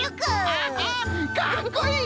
アッハかっこいい！